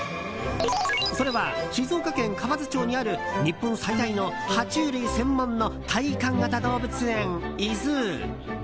それは、静岡県河津町にある日本最大の爬虫類専門の体験型動物園ｉＺｏｏ。